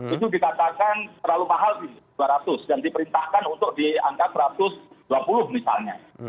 itu dikatakan terlalu mahal di dua ratus dan diperintahkan untuk diangkat satu ratus dua puluh misalnya